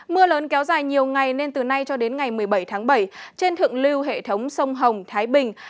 mưa lớn kéo dài nhiều ngày nên từ nay cho đến ngày một mươi bảy tháng bảy trên thượng lưu hệ thống sông hồng thái bình